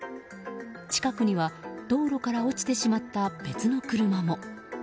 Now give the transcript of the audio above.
近くには道路から落ちてしまった別の車も。